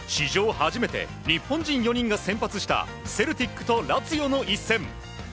初めて日本人４人が先発したセルティックとラツィオの一戦。